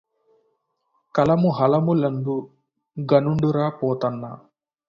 కలము హలములందు ఘనుండురా Pothanna